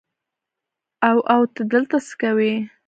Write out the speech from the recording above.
او او ته دلته څه کوې.